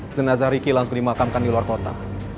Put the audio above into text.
jenazah riki langsung dimakamkan di luar kota